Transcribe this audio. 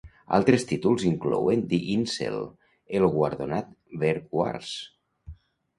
Altres títols inclouen "Die Insel", el guardonat "Wer War's?